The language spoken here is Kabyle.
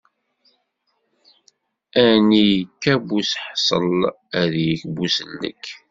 Ani yekka buseḥṣel ad d-yekk busellek.